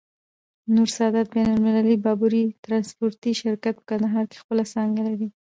نور سادات بين المللی باربری ترانسپورټي شرکت، په کندهار کي خپله څانګه لری.